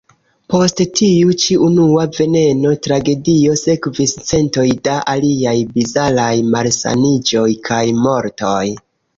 Post tiu ĉi unua veneno-tragedio sekvis centoj da aliaj bizaraj malsaniĝoj kaj mortoj.